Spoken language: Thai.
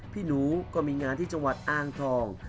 พี่หนูก็มีงานที่จังหวัดอ้างทอง